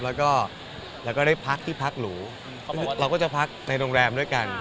เราก็บินไปด้วยกัน